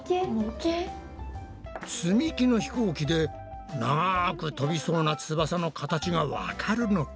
積み木の飛行機で長く飛びそうな翼の形がわかるのか？